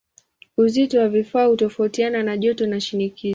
Uzito wa vifaa hutofautiana na joto na shinikizo.